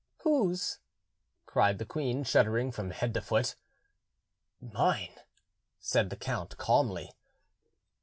"Whose?" cried the queen, shuddering from head to foot. "Mine," said the count calmly.